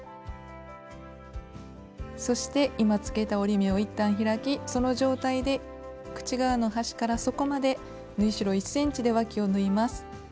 そして今つけた折り目をいったん開きその状態で口側の端から底まで縫い代１ｃｍでわきを縫います。